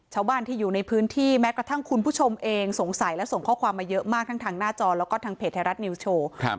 ชาวบ้านที่อยู่ในพื้นที่แม้กระทั่งคุณผู้ชมเองสงสัยและส่งข้อความมาเยอะมากทั้งทางหน้าจอแล้วก็ทางเพจไทยรัฐนิวส์โชว์